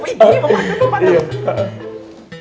eh ini mah pantun